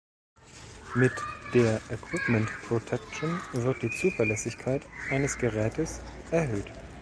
Mit der Equipment Protection wird die Zuverlässigkeit eines Gerätes erhöht.